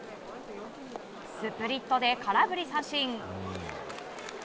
スプリットで空振り三振。